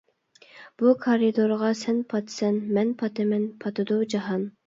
بۇ كارىدورغا سەن پاتىسەن مەن پاتىمەن پاتىدۇ جاھان.